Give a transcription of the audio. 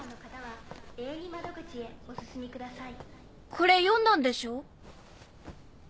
これ読んだんでしょ？